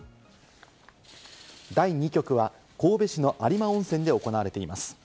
第２局は神戸市の有馬温泉で行われています。